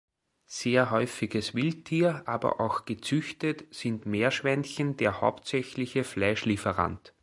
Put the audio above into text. Sehr häufiges Wildtier, aber auch gezüchtet, sind Meerschweinchen, der hauptsächliche Fleischlieferant.